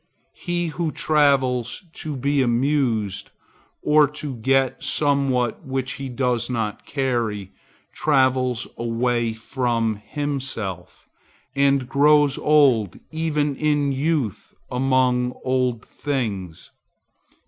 He who travels to be amused, or to get somewhat which he does not carry, travels away from himself, and grows old even in youth among old things.